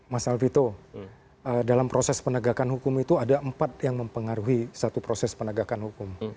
mas alvito dalam proses penegakan hukum itu ada empat yang mempengaruhi satu proses penegakan hukum